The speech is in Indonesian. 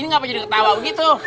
ini ngapanya dia ketawa begitu